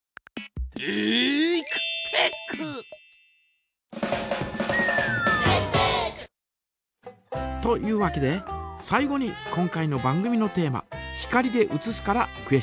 「テイクテック」！というわけで最後に今回の番組のテーマ「光で写す」からクエスチョン。